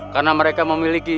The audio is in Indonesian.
karena mereka memiliki